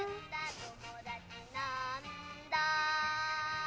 「ともだちなんだ」